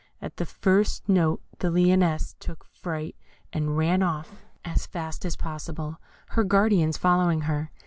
At the first note the Lioness took fright, and ran off as fast as possible, her guardians following her.